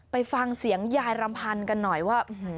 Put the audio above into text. ไปฟังเสียงยายรำพันธ์กันหน่อยว่า